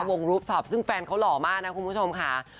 รูปท็อปซึ่งแฟนเขาหล่อมากนะคุณผู้ชมค่ะ